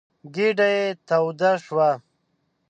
ګېډه يې توده شوه.